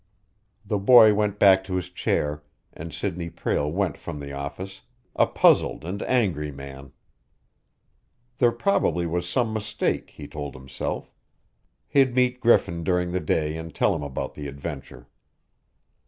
The boy went back to his chair, and Sidney Prale went from the office, a puzzled and angry man. There probably was some mistake, he told himself. He'd meet Griffin during the day and tell him about the adventure.